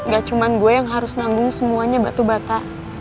gak cuma gue yang harus nanggung semuanya batu bata